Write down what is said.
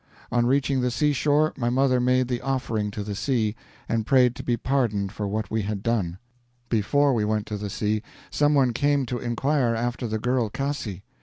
On reaching the seashore, my mother made the offering to the sea, and prayed to be pardoned for what we had done. Before we went to the sea, some one came to inquire after the girl Cassi.